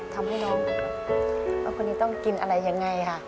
ทำให้น้องคนนี้ต้องกินอะไรยังไงค่ะ